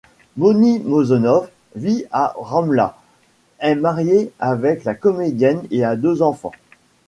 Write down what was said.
Moni Moshonov vit à Ramla, est marié avec la comédienne et a deux enfants.